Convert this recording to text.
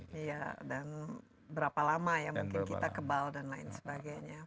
iya dan berapa lama ya mungkin kita kebal dan lain sebagainya